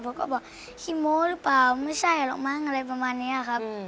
เขาก็บอกขี้โม้หรือเปล่าไม่ใช่หรอกมั้งอะไรประมาณนี้ครับ